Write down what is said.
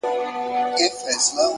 • هغوی چي وران کړل کلي ښارونه ,